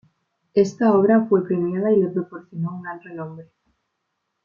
Esta obra fue premiada y le proporcionó un gran renombre.